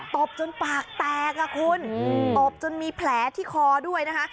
ตบจนปากแตกอ่ะคุณตบจนมีแผลที่คอด้วยนะคะ